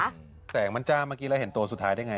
แสงมันจ้าเมื่อกี้แล้วเห็นตัวสุดท้ายได้ไง